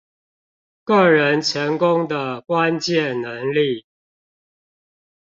個人成功的關鍵能力